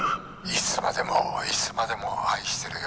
「いつまでもいつまでも愛してるよ」。